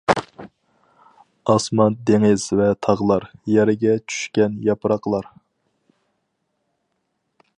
ئاسمان دېڭىز ۋە تاغلار، يەرگە چۈشكەن ياپراقلار.